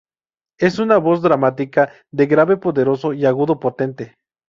Es una voz dramática de grave poderoso y agudo potente.